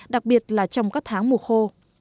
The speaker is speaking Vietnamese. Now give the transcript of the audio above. đặc biệt là trong các tháng mùa khô